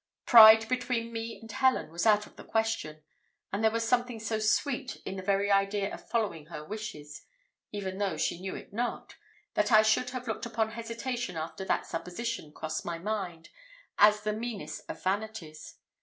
Pride between me and Helen was out of the question; and there was something so sweet in the very idea of following her wishes, even though she knew it not, that I should have looked upon hesitation after that supposition crossed my mind as the meanest of vanities.